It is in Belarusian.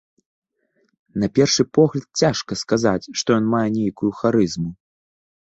На першы погляд, цяжка сказаць, што ён мае нейкую харызму.